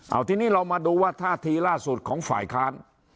เอาทีนี้เรามาดูว่าท่าทีล่าสุดของฝ่ายค้าน